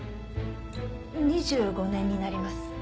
２５年になります。